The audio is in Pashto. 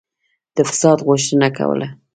د فساد غوښتنه کوله.